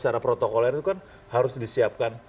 ada protokol lain itu kan harus disiapkan